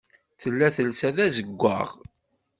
Tella telsa d azeggaɣ.